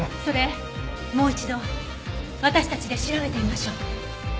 それもう一度私たちで調べてみましょう。